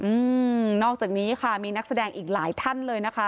อืมนอกจากนี้ค่ะมีนักแสดงอีกหลายท่านเลยนะคะ